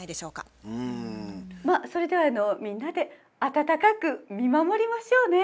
まあそれではみんなで温かく見守りましょうね。